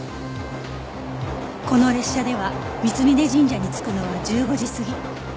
この列車では三峯神社に着くのは１５時過ぎ